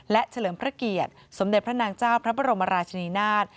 และเฉลิมพระเกียรติสมเด็จพระนางเจ้าพระบรมราชนีนาฏ